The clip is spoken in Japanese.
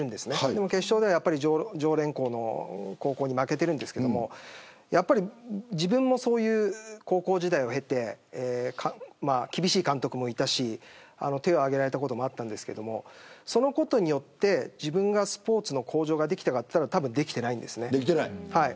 でも、決勝では常連校の高校に負けているんですけれど自分もそういう高校時代を経て厳しい監督もいたし手をあげられたこともあったんですけれどそのことによって自分がスポーツの向上ができたかといったらたぶんできていないです。